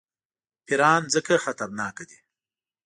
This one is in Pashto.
پیران ځکه خطرناک دي.